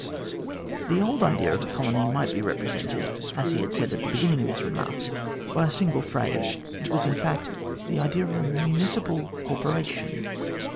The old idea of a colony might be represented, as he had said at the beginning of his remarks, by a single phrase it was in fact the idea of a municipal corporation.